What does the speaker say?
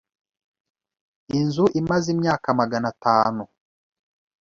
Inzu imaze imyaka magana atanu.